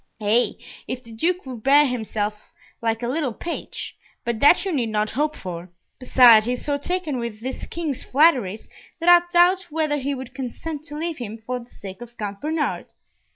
"Ay, if the Duke would bear himself like a little page; but that you need not hope for. Besides, he is so taken with this King's flatteries, that I doubt whether he would consent to leave him for the sake of Count Bernard.